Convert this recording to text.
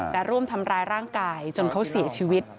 แต่ร่วมทำร้ายร่างกายจนเขาเสียชีวิต